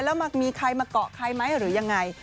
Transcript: แล้วมีใครมาเกาะใครไหมหรือยังไง